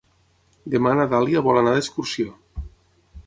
Demà na Dàlia vol anar d'excursió.